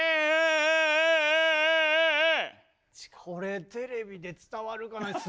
これテレビで伝わるかな。